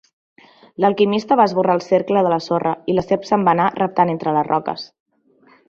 L'alquimista va esborrar el cercle de la sorra i la serp se'n va anar reptant entre les roques.